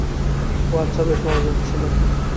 ও আচ্ছা, বেশ মজাদার ছিলো।